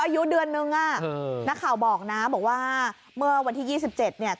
อายุเดือนนึงอ่ะนักข่าวบอกนะบอกว่าเมื่อวันที่๒๗เนี่ย